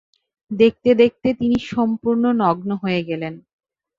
দেখতে-দেখতে তিনি সম্পূর্ণ নগ্ন হয়ে গেলেন।